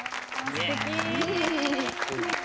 すてき！